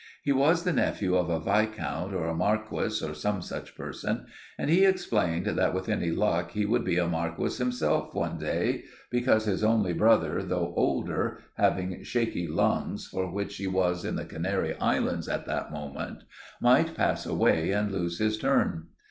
He was the nephew of a viscount, or a marquis, or some such person, and he explained that with any luck he would be a marquis himself some day, because his only brother, though older, having shaky lungs, for which he was in the Canary Islands at that moment, might pass away and lose his turn.